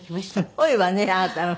すごいわねあなた。